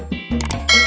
saya juga mau ke sana